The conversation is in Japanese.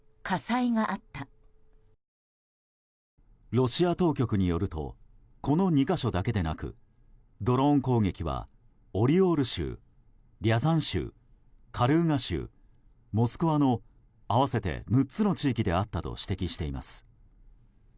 ロシア当局によるとこの２か所だけでなくドローン攻撃はオリオール州、リャザン州カルーガ州、モスクワの合わせて６つの地域であったと指摘しています。